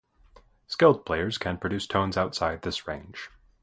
Skilled players can produce tones outside this range.